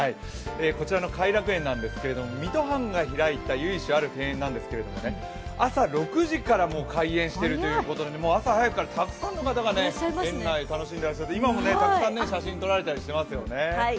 こちらの偕楽園は、水戸藩が開いた由緒ある庭園なんですけどね、朝６時からもう開園しているということで、朝早くからたくさんの方が園内を楽しんでらして、今もたくさん写真撮られたりしてますよね。